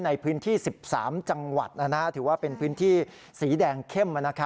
ในพื้นที่๑๓จังหวัดถือว่าเป็นพื้นที่สีแดงเข้ม